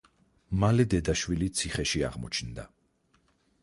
მალე დედა-შვილი ციხეში აღმოჩნდა.